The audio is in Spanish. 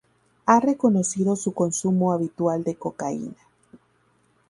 Ha reconocido su consumo habitual de cocaína.